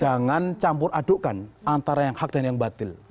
jangan campur adukkan antara yang hak dan yang batil